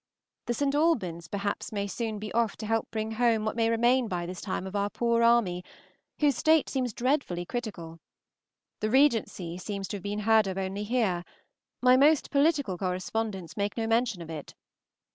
The "St. Albans" perhaps may soon be off to help bring home what may remain by this time of our poor army, whose state seems dreadfully critical. The "Regency" seems to have been heard of only here; my most political correspondents make no mention of it.